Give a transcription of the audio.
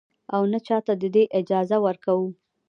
او نـه چـاتـه د دې اجـازه ورکـو.